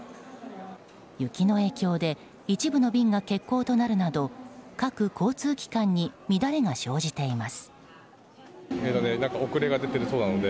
雪の影響で一部の便が欠航となるなど各交通機関に乱れが生じています。